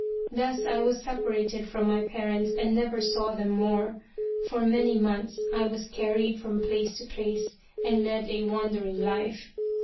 Thus I was separated from my parents and never saw them more. For many months I was carried from place to place and led a wandering life.